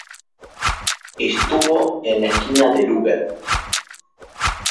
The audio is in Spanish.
Estuvo en la esquina de Luger.